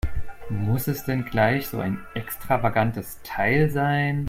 Muss es denn gleich so ein extravagantes Teil sein?